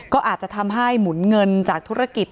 ก็อาจจะทำให้หมุนเงินจากธุรกิจ